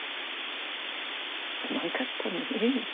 すまんかったね。